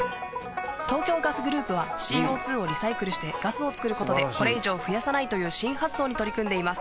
「東京ガスグループはＣＯ２をリサイクルしてガスをつくることでこれ以上増やさないという新発想に取り組んでいます」